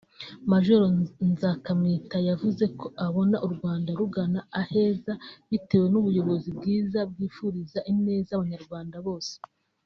Mgr Nzakamwita yavuze ko abona u Rwanda rugana aheza bitewe n’uboyobozi bwiza bwifuriza ineza Abanyarwanda bose